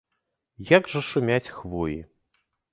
Як жа шумяць хвоі!